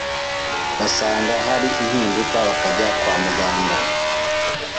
basanga hari impinduka bakajya kwa muganga